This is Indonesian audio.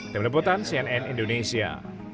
depan depan cnn indonesia